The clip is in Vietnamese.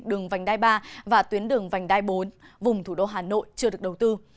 đường vành đai ba và tuyến đường vành đai bốn vùng thủ đô hà nội chưa được đầu tư